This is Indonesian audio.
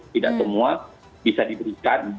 tidak semua bisa diberikan